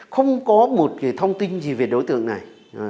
không có một thông tin gì về đối tượng này